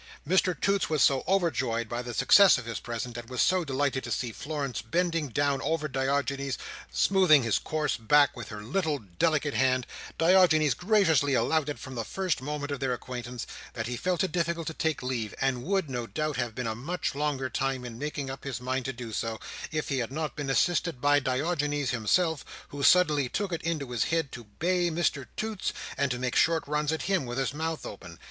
Mr Toots was so overjoyed by the success of his present, and was so delighted to see Florence bending down over Diogenes, smoothing his coarse back with her little delicate hand—Diogenes graciously allowing it from the first moment of their acquaintance—that he felt it difficult to take leave, and would, no doubt, have been a much longer time in making up his mind to do so, if he had not been assisted by Diogenes himself, who suddenly took it into his head to bay Mr Toots, and to make short runs at him with his mouth open.